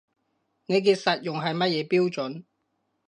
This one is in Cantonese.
你嘅實用係乜嘢標準